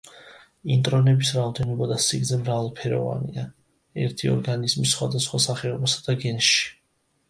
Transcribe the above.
ინტრონების რაოდენობა და სიგრძე მრავალფეროვანია ერთი ორგანიზმის სხვადასხვა სახეობასა და გენში.